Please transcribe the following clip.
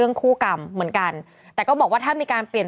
เป็นการกระตุ้นการไหลเวียนของเลือด